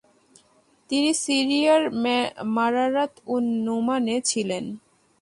তিনি সিরিয়ার মারারাত উন-নুমানে ছিলেন।